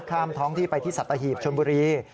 ท้องที่ไปที่สัตหีบชนบุรี